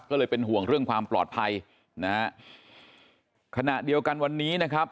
ก็เลยเป็นห่วงเรื่องความปลอดภัยนะฮะขณะเดียวกันวันนี้นะครับ